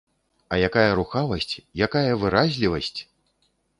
А якая рухавасць, якая выразлівасць!